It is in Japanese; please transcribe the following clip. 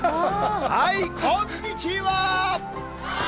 はい、こんにちは！